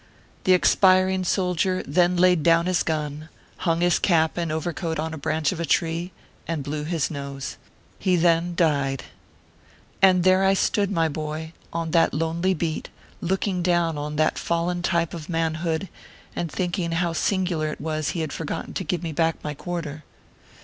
The expiring soldier then laid down his gun, hung his cap and overcoat on a branch of a tree, and blew his nose. He then died. And there I stood, my boy, on that lonely beat, looking down on that fallen type of manhood, and thinking how singular it was he had forgotten to give me back my quarter.